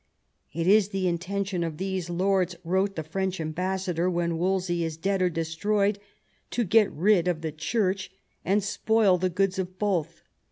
" It is the intention of these lords,*' wrote the French ambassador, " when Wolsey is dead or destroyed, to get rid of the Church and spoil the goods of both.